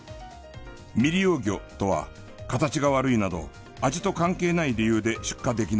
未利用魚とは形が悪いなど味と関係ない理由で出荷できない魚。